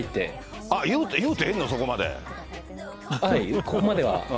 あっ、はい、ここまでは。